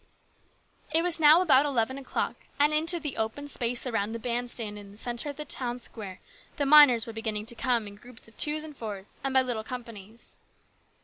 It was now about eleven o'clock, and into the open space around the band stand in the centre of the town square the miners were beginning to come in groups of twos and fours, and by little companies.